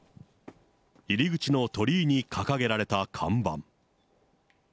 入り口の鳥居に掲げられた看板。